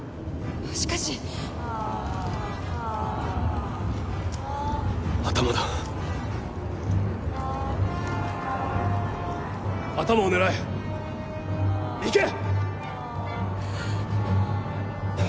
しかし頭だ頭を狙え行け！